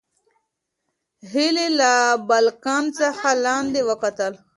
هیلې له بالکن څخه لاندې وکتل.